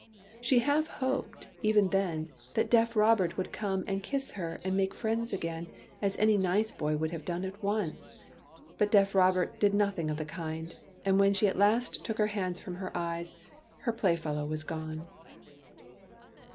She half hoped, even then, that deaf Robert would come and kiss her and make friends again, as any nice boy would have done at once ; but deaf Robert did nothing of the kind, and when she at last took her hands from her eyes, her playfellow was gone.